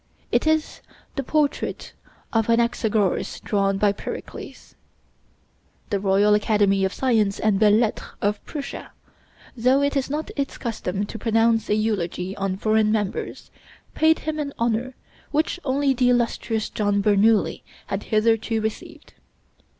It is the portrait of Anaxagoras drawn by Pericles. The Royal Academy of Sciences and Belles Lettres of Prussia, though it is not its custom to pronounce a eulogy on foreign members, paid him an honor which only the illustrious John Bernoulli had hitherto received.